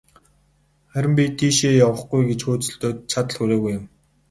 Харин би тийшээ явахгүй гэж хөөцөлдөөд, чадал хүрээгүй юм.